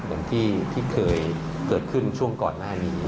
เหมือนที่เคยเกิดขึ้นช่วงก่อนหน้านี้